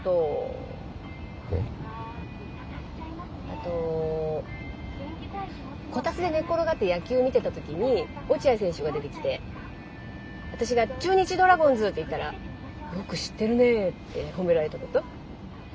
あとこたつで寝っ転がって野球見てた時に落合選手が出てきて私が「中日ドラゴンズ」って言ったら「よく知ってるね」って褒められたこと。